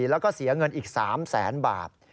แล้วก็เสียเงินอีก๓แสนบาท